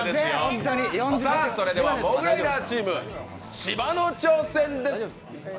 モグライダーチーム・芝の挑戦です！